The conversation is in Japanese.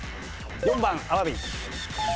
４番アワビ。